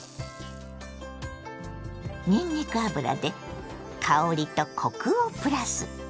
にんにく油で香りとコクをプラス。